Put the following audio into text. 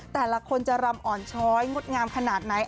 แต่ละคนจะรำอ่อนช้อยงดงามขนาดไหน